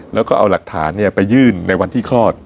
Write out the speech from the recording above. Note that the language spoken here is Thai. แล้วก็เอาหลักฐานไปยื่นในวันที่คลอด